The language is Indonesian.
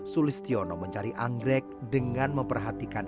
sulistiono mencari anggrek dengan memperhatikan